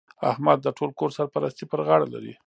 احمد د ټول کور سرپرستي پر غاړه لري.